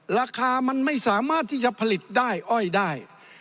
ราคามันไม่สามารถที่จะผลิตได้อ้อยได้